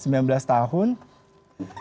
sementara yang paling lama